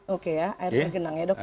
oke ya air tergenang ya dok ya